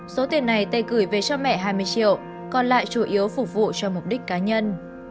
số tiền này tây gửi về cho mẹ hai mươi triệu còn lại chủ yếu phục vụ cho mục đích cá nhân